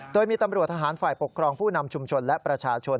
โดยมีตำรวจทหารฝ่ายปกครองผู้นำชุมชนและประชาชน